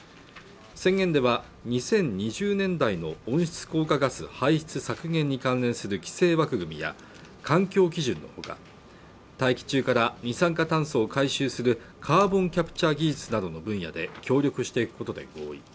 宣言では２０２０年代の温室効果ガス排出削減に関連する規制枠組みや環境基準のほか大気中から二酸化炭素を回収するカーボンキャプチャ技術などの分野で協力していくことで合意